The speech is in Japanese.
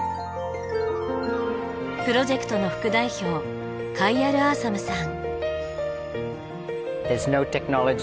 プロジェクトの副代表カイアル・アーサムさん。